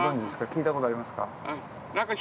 聞いたことありますか。